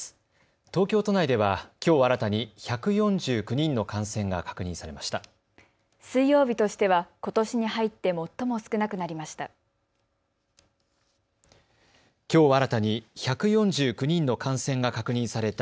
東京都内ではきょう新たに１４９人の感染が確認されました。